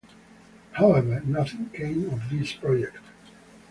However nothing came of this project.